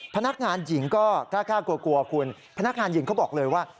พนักงานหญิงก็กล้ากลัวกลัวคุณพนักงานหญิงเขาบอกเลยว่า